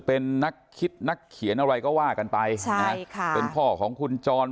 เป็นนักคิดนักเขียนอะไรก็ว่ากันไปใช่ค่ะเป็นพ่อของคุณจร